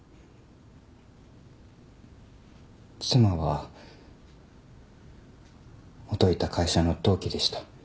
妻は元いた会社の同期でした。